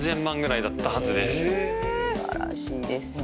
素晴らしいですね。